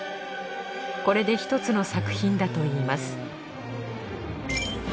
これで１つの作品だといいます